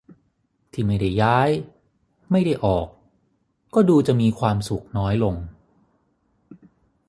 ที่ไม่ได้ย้าย ไม่ได้ออก ก็ดูจะมีความสุขน้อยลง